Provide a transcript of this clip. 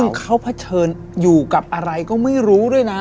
คือเขาเผชิญอยู่กับอะไรก็ไม่รู้ด้วยนะ